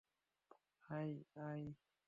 আয়, আয়।